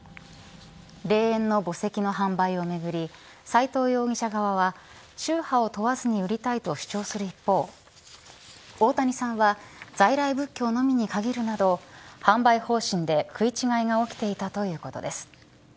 霊園の墓石の販売をめぐり斎藤容疑者側は宗派を問わずに売りたいと主張する一方大谷さんは在来仏教のみに限るなど販売方針で食い違いが起きていたということです。